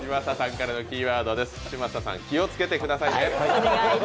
嶋佐さん気をつけてくださいね。